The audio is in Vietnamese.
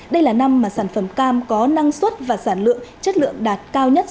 đây là năm mà sản phẩm cam có năng suất và sản lượng chất lượng đạt cao nhất